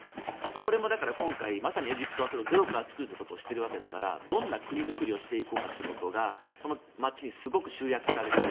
これもだから今回まさにエジプトはそれをゼロから作ることをしているわけだからどんな国づくりをしていこうかっていうことがこの街にすごく集約されている。